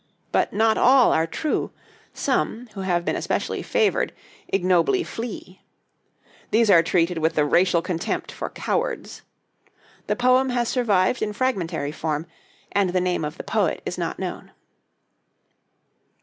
But not all are true; some, who have been especially favored, ignobly flee. These are treated with the racial contempt for cowards. The poem has survived in fragmentary form, and the name of the poet is not known.